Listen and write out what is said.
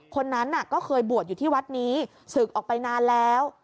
คนนั้นก็เคยบวชอยู่ที่วัดนี้ศึกออกไปนานแล้ว